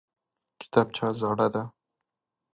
کتابچه زړه ده!